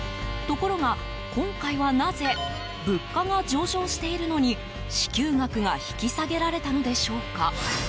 ところが、今回はなぜ物価が上昇しているのに支給額が引き下げられたのでしょうか？